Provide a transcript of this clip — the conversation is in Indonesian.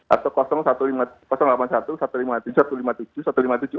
atau delapan puluh satu satu ratus lima puluh satu ratus lima puluh tujuh satu ratus lima puluh tujuh